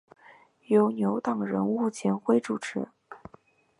由牛党人物钱徽主持。